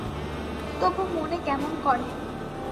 তবু মনে কেমন করে!